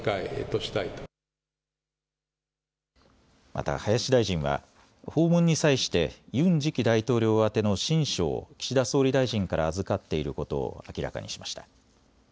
また林大臣は訪問に際してユン次期大統領宛の親書を岸田総理大臣から預かっていることを明らかにしました。